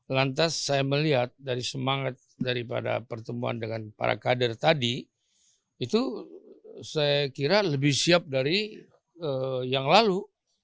lantas saya melihat dari semangat daripada pertemuan dengan para kader tadi itu saya kira lebih siap dari yang lalu